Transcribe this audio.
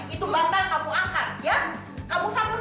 itu bakal kamu angkat ya